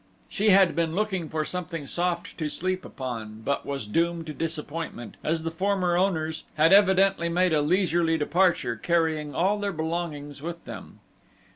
She had been looking for something soft to sleep upon, but was doomed to disappointment as the former owners had evidently made a leisurely departure, carrying all their belongings with them.